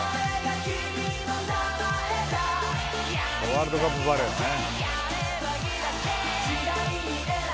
ワールドカップバレーね。